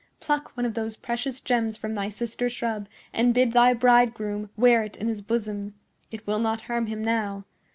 Pluck one of those precious gems from thy sister shrub and bid thy bridegroom wear it in his bosom. It will not harm him now.